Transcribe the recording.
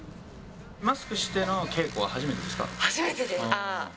マスクしての稽古は初めてで初めてです。